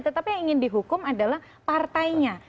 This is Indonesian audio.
tetapi yang ingin dihukum adalah partainya